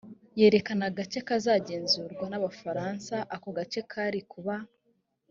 yerekana agace kazagenzurwa n abafaransa ako gace kari kuba